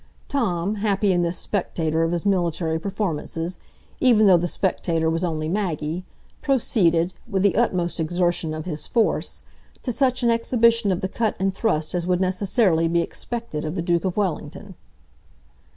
Tom, happy in this spectator of his military performances, even though the spectator was only Maggie, proceeded, with the utmost exertion of his force, to such an exhibition of the cut and thrust as would necessarily be expected of the Duke of Wellington.